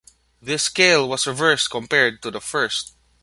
This scale was reversed compared to the first.